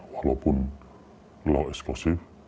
walaupun law eksklusif